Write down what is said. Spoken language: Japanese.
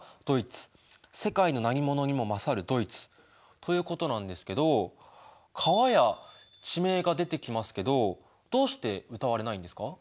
ということなんですけど川や地名が出てきますけどどうして歌われないんですか？